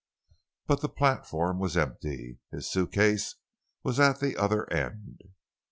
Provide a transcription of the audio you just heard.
But the platform was empty—his suitcase was at the other end.